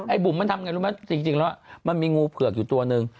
บุ๋มมันทำไงรู้ไหมจริงแล้วมันมีงูเผือกอยู่ตัวหนึ่ง